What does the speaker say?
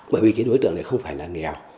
bởi vì cái đối tượng này không phải là nghèo